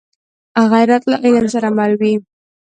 غیرت له علم سره مل وي